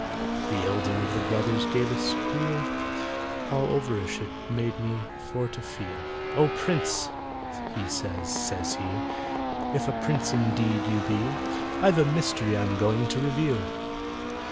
The elder of the brothers gave a squeal, All overish it made me for to feel; "Oh, PRINCE," he says, says he, "If a Prince indeed you be, I've a mystery I'm going to reveal!